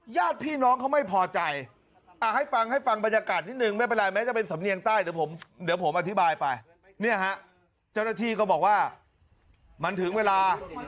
ญาติพี่น้องเขาไม่พอใจให้ฟังให้ฟังบรรยากาศนิดนึงไม่เป็นไรแม้จะเป็นสำเนียงใต้เดี๋ยวผมเดี๋ยวผมอธิบายไปเนี่ยฮะเจ้าหน้าที่ก็บอกว่ามันถึงเวลา